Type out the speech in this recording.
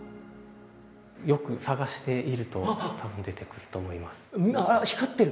よく探していると多分出てくると思います。